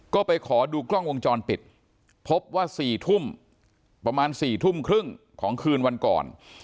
ก็ไปขอดูกล้องวงจรปิดพบว่า๔ทุ่มประมาณ๔ทุ่มครึ่งของคืนวันก่อน